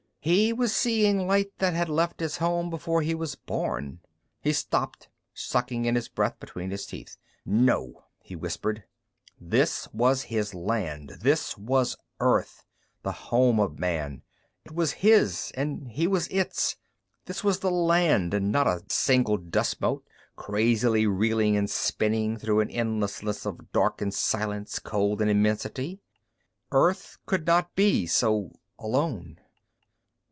He was seeing light that had left its home before he was born. He stopped, sucking in his breath between his teeth. "No," he whispered. This was his land. This was Earth, the home of man; it was his and he was its. This was the land, and not a single dust mote, crazily reeling and spinning through an endlessness of dark and silence, cold and immensity. Earth could not be so alone!